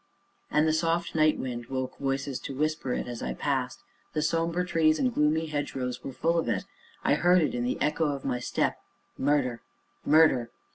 And the soft night wind woke voices to whisper it as I passed; the somber trees and gloomy hedgerows were full of it; I heard it in the echo of my step MURDER! MURDER!